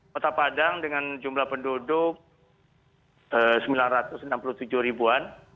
kota padang dengan jumlah penduduk sembilan ratus enam puluh tujuh ribuan